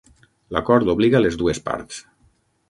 L'acord obliga les dues parts.